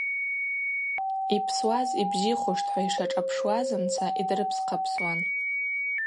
Йпсуаз йбзихуштӏ-хӏва йшашӏапшуазымца йдрыпсхъапсуан.